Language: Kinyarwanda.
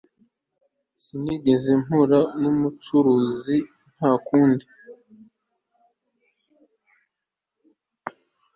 Sinigeze mpura numucuranzi ntakunda